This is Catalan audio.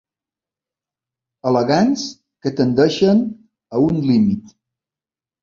Elegants que tendeixen a un límit.